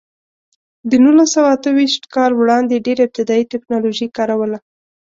د نولس سوه اته ویشت کال وړاندې ډېره ابتدايي ټکنالوژي کار وله.